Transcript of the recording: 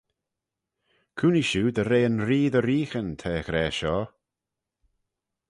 Cooinee shiu dy re yn Ree dy reeaghyn ta er ghra shoh.